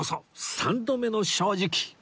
三度目の正直